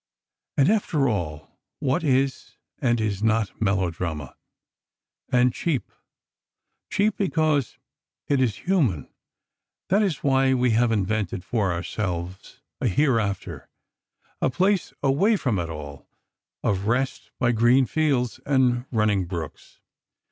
And, after all, what is, and is not, melodrama—and cheap. Cheap—because it is human. That is why we have invented for ourselves a hereafter—a place away from it all—of rest by green fields and running brooks.